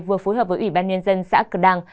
vừa phối hợp với ủy ban nhân dân xã cờ đăng